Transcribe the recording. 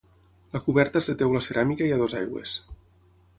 La coberta és de teula ceràmica i a dues aigües.